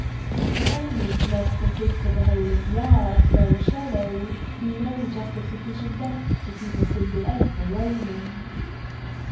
The penguin's nest consists of a hole in the earth, very shallow, being only just of sufficient depth to keep her single egg from rolling.